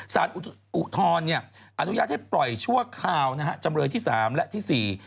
สารอุทธรณ์อนุญาตให้ปล่อยชั่วคาวจำเลยที่๓และที่๔